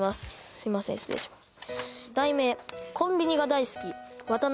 すいません失礼します